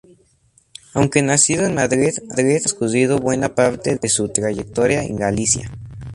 Aunque nacido en Madrid, ha transcurrido buena parte de su trayectoria en Galicia.